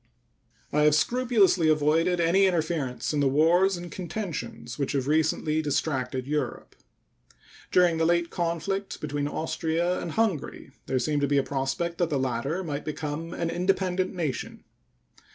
I have scrupulously avoided any interference in the wars and contentions which have recently distracted Europe. During the late conflict between Austria and Hungary there seemed to be a prospect that the latter might become an independent nation.